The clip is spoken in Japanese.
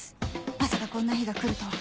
まさかこんな日が来るとは